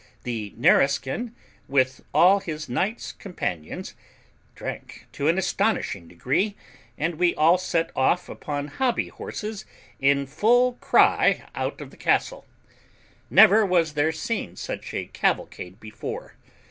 The Nareskin, with all his knights companions, drank to an astonishing degree, and we all set off upon hobby horses in full cry out of the castle. Never was there seen such a cavalcade before.